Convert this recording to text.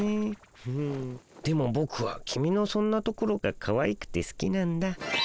フフでもボクはキミのそんなところがかわいくてすきなんだ。